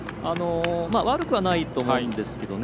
悪くはないと思うんですけれどもね。